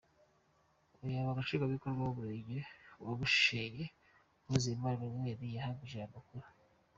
Umunyamabanga nshingwabikorwa w’umurenge wa bushenge, Uwizeyimana Emmanuel yahamije aya makuru.